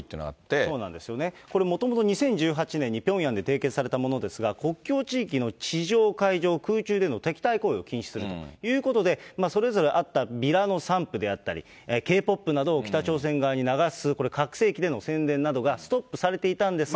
そうなんですよね、これ、もともと２０１８年に、ピョンヤンで締結されたものですが、国境地域の地上、海上、空中での敵対行為を禁止するということで、それぞれあったビラの散布であったり、Ｋ−ＰＯＰなどを北朝鮮側に流す、これ、拡声器での宣伝などがストップされていたんですが。